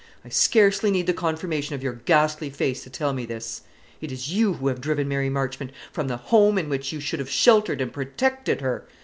I scarcely need the confirmation of your ghastly face to tell me this. It is you who have driven Mary Marchmont from the home in which you should have sheltered and protected her!